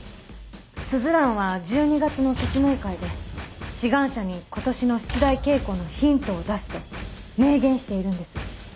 鈴蘭は１２月の説明会で志願者に今年の出題傾向のヒントを出すと明言しているんです。